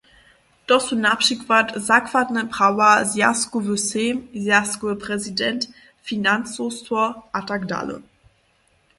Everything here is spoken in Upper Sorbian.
To su na přikład zakładne prawa, zwjazkowy sejm, zwjazkowy prezident, financowstwo atd.